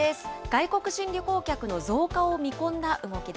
外国人旅行客の増加を見込んだ動